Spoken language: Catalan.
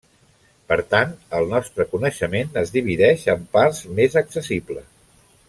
Per tant, el nostre coneixement es divideix en parts més accessibles.